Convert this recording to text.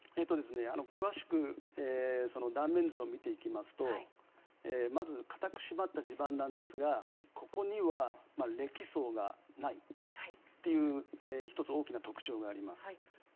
詳しく断面図を見ていきますとまず、硬く締まった地盤ですがここには礫層がないという１つ大きな特徴があります。